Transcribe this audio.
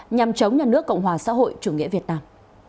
nhằm chống nhà nước cộng hòa xã hội chủ nghĩa việt nam